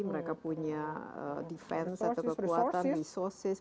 mereka punya defense atau kekuatan resources